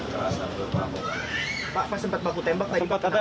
pak sempat pelaku tembak tadi